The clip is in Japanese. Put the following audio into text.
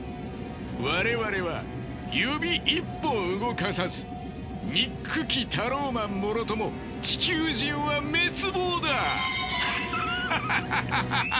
我々は指一本動かさず憎きタローマンもろとも地球人は滅亡だ！ハハハハハハ！